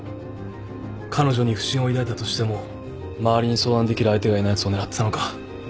彼女に不審を抱いたとしても周りに相談できる相手がいないやつを狙ってたのか。